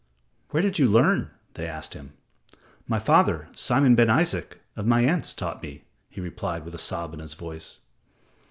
"Where did you learn?" they asked him. "My father, Simon ben Isaac, of Mayence, taught me," he replied, with a sob in his voice.